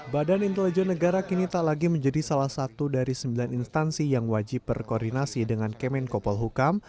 badan intelijen negara kini tak lagi menjadi salah satu dari sembilan instansi yang wajib berkoordinasi dengan kemenkopol hukam